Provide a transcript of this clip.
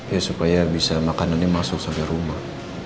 ya supaya bisa makanannya masuk sampai rumah